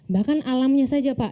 bahkan alamnya saja pak